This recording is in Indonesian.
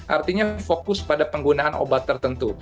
artinya fokus pada penggunaan obat tertentu